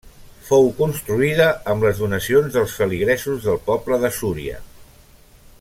Fou construïda amb les donacions dels feligresos del poble de Súria.